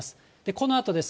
このあとです。